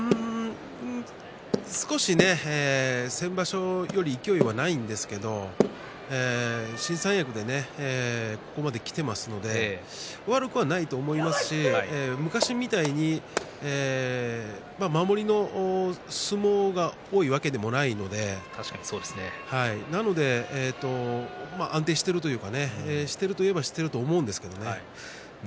少し先場所より勢いはないんですけども新三役でここまできているし悪くはないと思いますし昔みたいに守りの相撲が多いわけではないので安定しているといえばそう思うんですけどね。